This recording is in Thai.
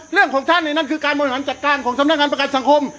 เรื่องของท่านเนี่ยนั่นคือการบนหันจัดการของสำนักงานประกันสังคม